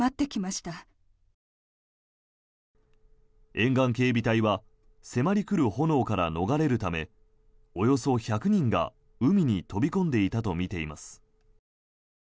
沿岸警備隊は迫り来る炎から逃れるためおよそ１００人が、海に飛び込んでいたとみています。